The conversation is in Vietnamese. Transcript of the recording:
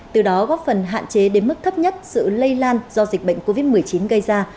từ đó góp phần hạn chế đến mức thấp nhất sự lây lan do dịch bệnh covid một mươi chín gây ra